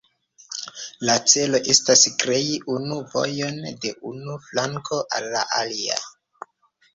La celo estas krei unu vojon de unu flanko al la alia.